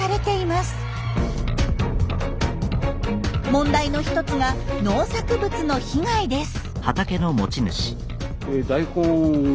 問題の１つが農作物の被害です。